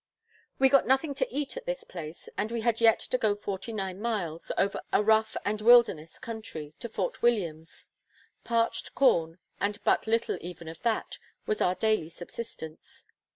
We got nothing to eat at this place, and we had yet to go forty nine miles, over a rough and wilderness country, to Fort Williams. Parched corn, and but little even of that, was our daily subsistence.